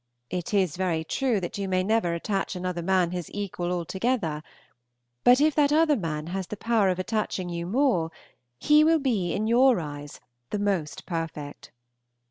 It is very true that you never may attach another man his equal altogether; but if that other man has the power of attaching you more, he will be in your eyes the most perfect.